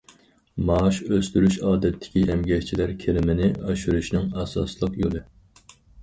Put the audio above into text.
مائاش ئۆستۈرۈش ئادەتتىكى ئەمگەكچىلەر كىرىمىنى ئاشۇرۇشنىڭ ئاساسلىق يولى.